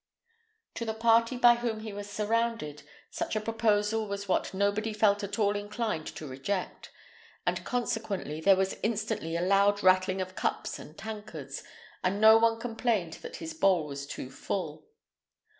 To the party by whom he was surrounded, such a proposal was what nobody felt at all inclined to reject, and consequently there was instantly a loud rattling of cups and tankards, and no one complained that his bowl was too full.